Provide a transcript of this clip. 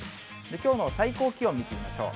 きょうの最高気温見てみましょう。